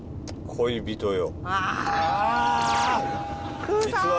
恋人よ